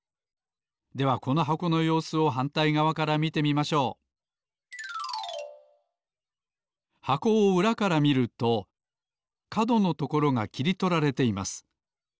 ではこの箱のようすをはんたいがわから見てみましょう箱をうらから見るとかどのところがきりとられています。